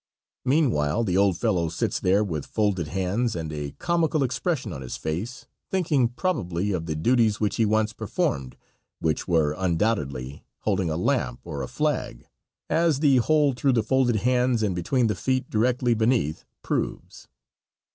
Meanwhile, the old fellow sits there with folded hands and a comical expression on his face, thinking, probably, of the duties which he once performed, which were, undoubtedly, holding a lamp or a flag, as the hole through the folded hands and between the feet directly beneath proves.